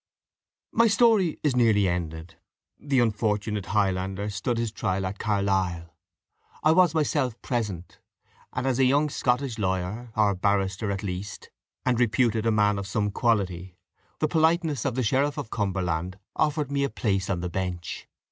My story is nearly ended. The unfortunate Highlander stood his trial at Carlisle. I was myself present, and as a young Scottish lawyer, or barrister at least, and reputed a man of some quality, the politeness of the sheriff of Cumberland offered me a place on the bench.